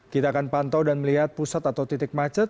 kita akan pantau dan melihat pusat atau titik macet